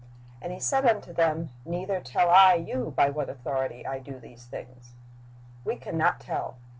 And He said unto them, Neither tell I you by what authority I do these things." "We can not tell."